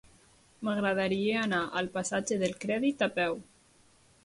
M'agradaria anar al passatge del Crèdit a peu.